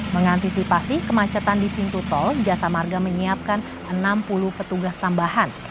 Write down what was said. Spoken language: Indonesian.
mengantisipasi kemacetan di pintu tol jasa marga menyiapkan enam puluh petugas tambahan